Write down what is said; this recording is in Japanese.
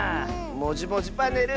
「もじもじパネル」